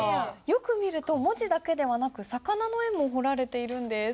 よく見ると文字だけではなく魚の絵も彫られているんです。